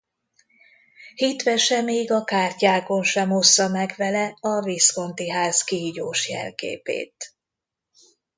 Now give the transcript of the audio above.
Hitvese még a kártyákon sem ossza meg vele a Visconti ház kígyós jelképét.